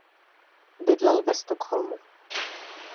Bydlel ve Stockholmu.